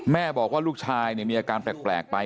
แม่บอกว่าลูกชายมีอาการแปลกไป